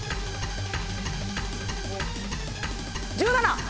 １７！